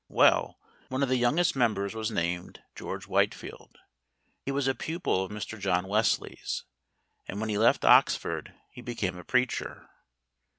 Well, one of the youngest members was named George Whitefield; he was a pupil of Mr. John Wesley's, and when he left Oxford he became a preacher.